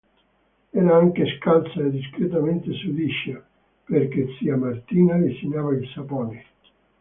Era anche scalza e discretamente sudicia, perché zia Martina lesinava il sapone.